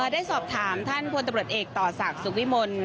ได้สอบถามท่านพลตำรวจเอกต่อศักดิ์สุขวิมล